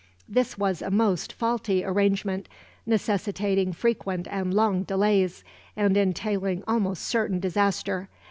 This was a most faulty arrangement, necessitating frequent and long delays, and entailing almost certain disaster.